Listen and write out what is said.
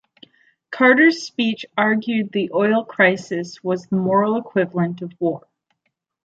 Carter's speech argued the oil crisis was "the moral equivalent of war".